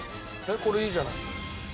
これいいじゃない。